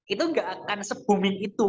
itu gak akan sebuming itu